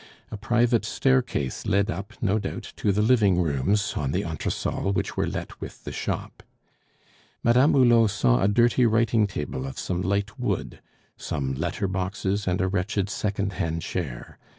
A private staircase led up, no doubt, to the living rooms on the entresol which were let with the shop. Madame Hulot saw a dirty writing table of some light wood, some letter boxes, and a wretched second hand chair.